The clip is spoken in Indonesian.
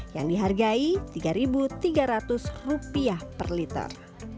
yang dihargai rp tiga tiga ratus per liter